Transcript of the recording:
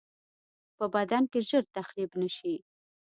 په بدن کې ژر تخریب نشي.